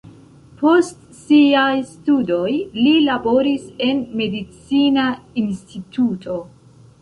Post siaj studoj li laboris en medicina instituto.